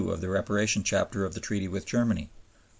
of the Reparation Chapter of the Treaty with Germany.